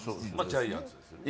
ジャイアンツですよね